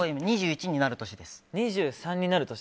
２３になる年ですね。